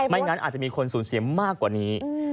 งั้นอาจจะมีคนสูญเสียมากกว่านี้